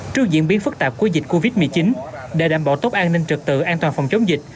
trước diễn biến phức tạp của dịch covid một mươi chín để đảm bảo tốt an ninh trực tự an toàn phòng chống dịch